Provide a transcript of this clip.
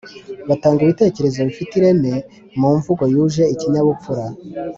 batanga ibitekerezo bifite ireme mu mvugo yuje ikinyabupfura.